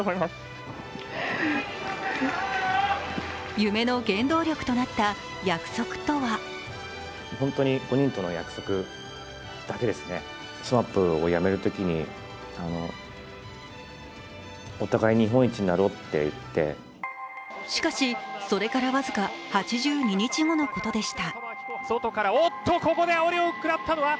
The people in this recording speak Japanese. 夢の原動力となった約束とはしかし、それから僅か８２日後のことでした。